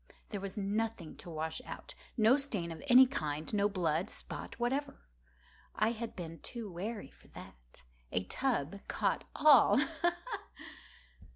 There was nothing to wash out—no stain of any kind—no blood spot whatever. I had been too wary for that. A tub had caught all—ha! ha!